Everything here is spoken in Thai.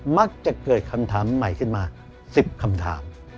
มักจะเกิดคำถามใหม่ขึ้นมา๑๐คำถาม